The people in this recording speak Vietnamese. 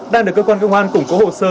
đang được cơ quan công an củng cố hồ sơ